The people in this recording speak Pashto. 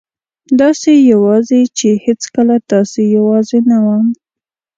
داسې یوازې چې هېڅکله داسې یوازې نه وم.